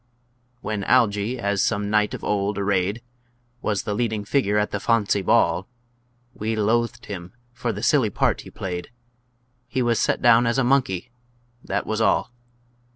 When Algy, as some knight of old arrayed, Was the leading figure at the "fawncy ball," We loathed him for the silly part he played, He was set down as a monkey that was all!